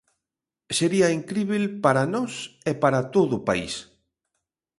Sería incríbel, para nós e para todo o país.